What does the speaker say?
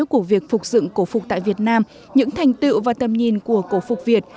của việc phục dựng cổ phục tại việt nam những thành tựu và tầm nhìn của cổ phục việt